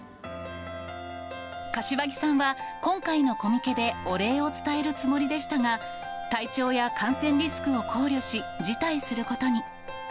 柏木さんは、今回のコミケでお礼を伝えるつもりでしたが、体調や感染リスクを考慮し、辞退することに。